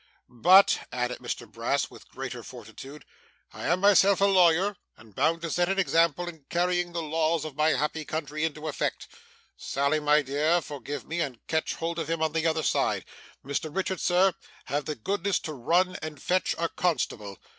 But,' added Mr Brass with greater fortitude, 'I am myself a lawyer, and bound to set an example in carrying the laws of my happy country into effect. Sally my dear, forgive me, and catch hold of him on the other side. Mr Richard, sir, have the goodness to run and fetch a constable.